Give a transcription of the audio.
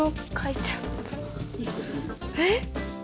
えっ？